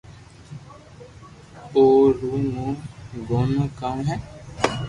اي رو مون گونو ڪاو ھي